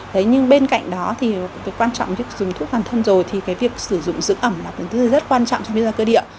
thế nhưng bên cạnh đó thì quan trọng nhất dùng thuốc toàn thân rồi thì cái việc sử dụng dưỡng ẩm là thứ rất quan trọng trong bệnh nhân cơ địa